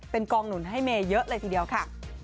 เป็นกองหนุนให้เมย์เยอะเลยทีเดียวค่ะ